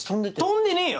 飛んでねえよ！